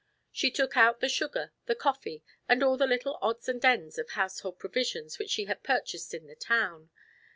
She took out the sugar, the coffee and all the little odds and ends of household provisions which she had purchased in the town.